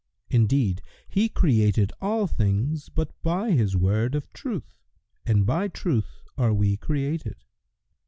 Indeed, He created all things but by His Word of Truth, and by Truth are we created."